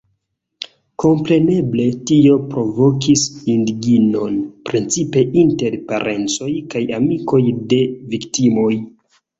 Kompreneble, tio provokis indignon precipe inter parencoj kaj amikoj de viktimoj.